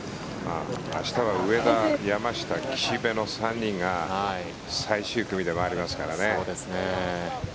明日は上田、山下、岸部の３人が最終組で回りますからね。